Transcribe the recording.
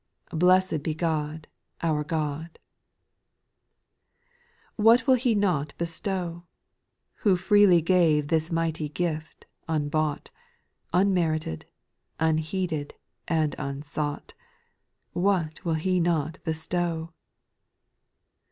Blessed be God, our God !/ 2. / What vrill He not bestow ? Who freely gave this mighty gift, unbought. Unmerited, unheeded, and unsought. What will He not bestow